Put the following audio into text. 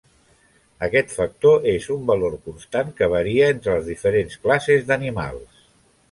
Aquest factor és un valor constant que varia entre les diferents classes d'animals.